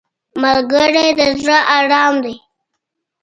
ملګری د زړه ارام دی